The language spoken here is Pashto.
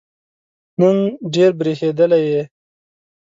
نن ډېر برېښېدلی یې